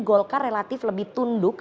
golkar relatif lebih tunduk